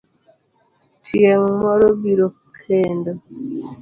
Tieng' moro biro kendo.